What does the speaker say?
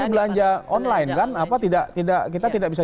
tapi belanja online kan kita tidak bisa